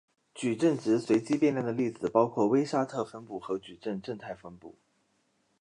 矩阵值随机变量的例子包括威沙特分布和矩阵正态分布。